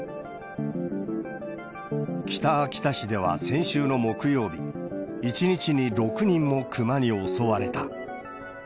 北秋田市では先週の木曜日、１日に６人もクマに襲われた。